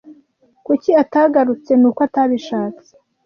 kuki atagarutse nuko atabishatse